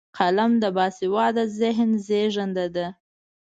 قلم د باسواده ذهن زیږنده ده